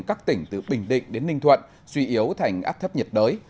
các tỉnh từ bình định đến ninh thuận suy yếu thành áp thấp nhiệt đới